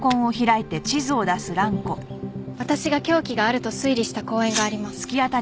私が凶器があると推理した公園があります。